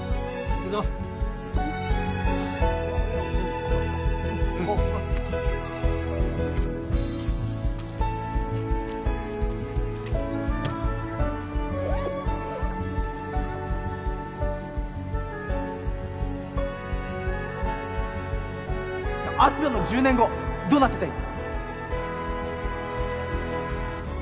行こうあすぴょんの１０年後どうなってたい？